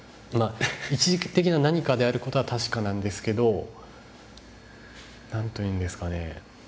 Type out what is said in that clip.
ま一時的な何かである事は確かなんですけど何というんですかね